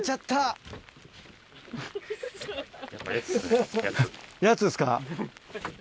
やつですか。